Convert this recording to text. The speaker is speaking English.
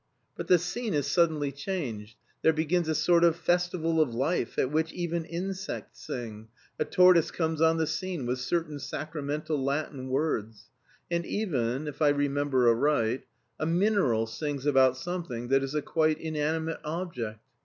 But the scene is suddenly changed. There begins a sort of "festival of life" at which even insects sing, a tortoise comes on the scene with certain sacramental Latin words, and even, if I remember aright, a mineral sings about something that is a quite inanimate object.